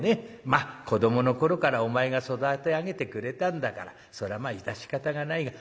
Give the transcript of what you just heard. まあ子どもの頃からお前が育て上げてくれたんだからそれはまあ致し方がないが。